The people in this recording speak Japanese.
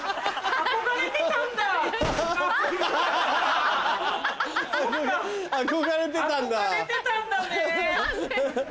憧れてたんだね。